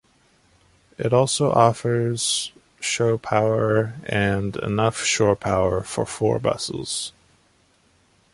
It also offers show power and enough shore power for four buses.